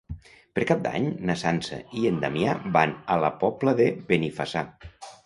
Per Cap d'Any na Sança i en Damià van a la Pobla de Benifassà.